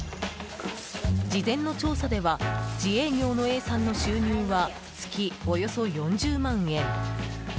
事前の調査では自営業のＡさんの収入は月およそ４０万円。